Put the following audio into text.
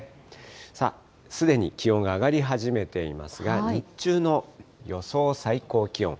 さあ、すでに気温が上がり始めていますが、日中の予想最高気温。